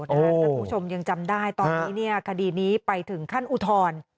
ถ้าท่านคุณผู้ชมยังจำได้ตอนนี้เนี่ยคดีนี้ไปถึงขั้นอุทร